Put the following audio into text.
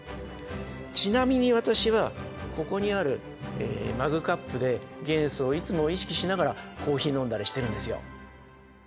ちなみに私はここにあるマグカップで元素をいつも意識しながらコーヒー飲んだりしてるんですよ。